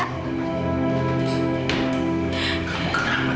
kamu keram nangis